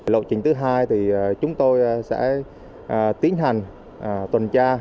lộ trình thứ hai thì chúng tôi sẽ tiến hành tuần tra